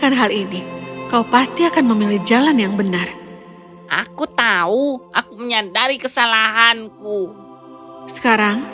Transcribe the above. lakukan hal ini kau pasti akan memilih jalan yang benar aku tahu aku menyadari kesalahanku sekarang